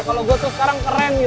kalo gue tuh sekarang keren gitu